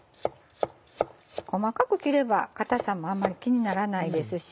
細かく切れば硬さもあんまり気にならないですし。